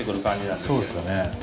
そうですよね。